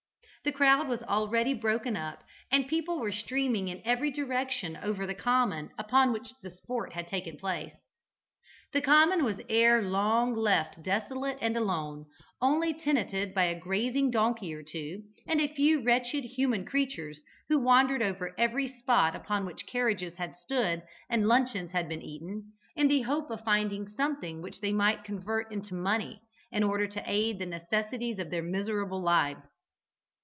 The crowd was already broken up, and people were streaming in every direction over the common upon which the sport had taken place. The common was ere long left desolate and alone, only tenanted by a grazing donkey or two, and a few wretched human creatures who wandered over every spot upon which carriages had stood and luncheons had been eaten, in the hope of finding something which they might convert into money in order to aid the necessities of their miserable lives.